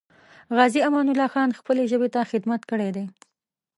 غازي امان الله خان خپلې ژبې ته خدمت کړی دی.